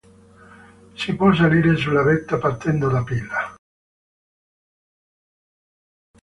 Si può salire sulla vetta partendo da Pila.